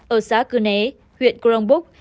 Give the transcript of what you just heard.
ở xã cư nế huyện cương búc